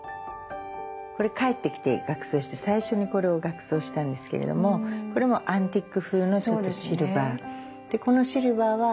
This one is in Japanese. これ帰ってきて額装して最初にこれを額装したんですけれどもこれもアンティーク風のちょっとシルバー。